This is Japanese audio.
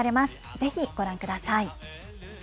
ぜひご覧ください。